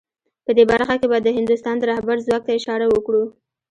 په دې برخه کې به د هندوستان د رهبر ځواک ته اشاره وکړو